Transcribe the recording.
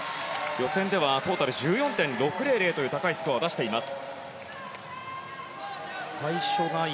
予選ではトータル１４．６００という高いスコアを出しています。